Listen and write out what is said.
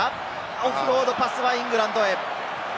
オフロードパスはイングランドへ。